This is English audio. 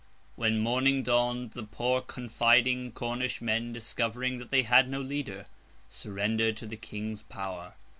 When morning dawned, the poor confiding Cornish men, discovering that they had no leader, surrendered to the King's power.